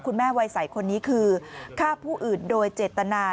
คุณแม่วัยสัยคนนี้คือฆ่าผู้อื่นโดยเจตนา